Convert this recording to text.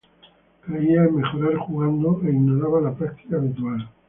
Creía en mejorar jugando e ignoraba la práctica habitual.